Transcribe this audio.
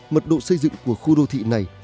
mật độ xây dựng của khu đô thị này